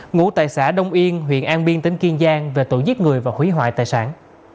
ngủ tại xã đông yên huyện an biên tỉnh kiên giang về tội giết người và hủy hoại tài sản